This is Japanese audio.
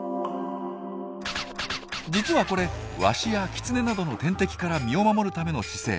実はこれワシやキツネなどの天敵から身を守るための姿勢。